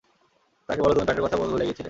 তাকে বলো তুমি প্যাডের কথা ভুলে গিয়েছিলে।